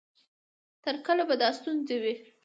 تر کله به دا ستونزه وي؟